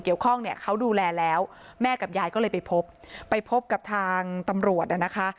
เกี่ยวข้องเนี่ยเขาดูแลแล้วแม่กับยายก็เลยไปพบไปพบกับทางตำรวจนะคะ